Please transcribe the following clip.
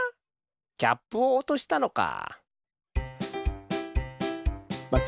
キャップをおとしたのか。